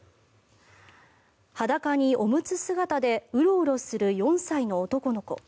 裸におむつ姿でウロウロする４歳の男の子。